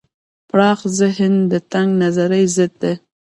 پراخ ذهن د تنگ نظرۍ ضد دی.